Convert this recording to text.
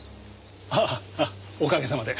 ああおかげさまで。